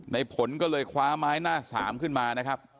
ในผลก็เลยคว้าไม้หน้าสามขึ้นมานะครับ